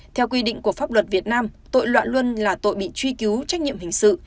theo quy định của pháp luật việt nam tội loạn luân là tội bị truy cứu trách nhiệm hình sự